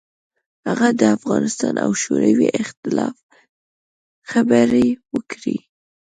هغه د افغانستان او شوروي اختلاف خبرې وکړې.